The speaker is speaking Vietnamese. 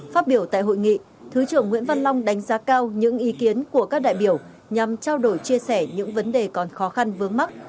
phát biểu tại hội nghị thứ trưởng nguyễn văn long đánh giá cao những ý kiến của các đại biểu nhằm trao đổi chia sẻ những vấn đề còn khó khăn vướng mắt